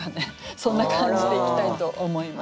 そんな感じでいきたいと思います。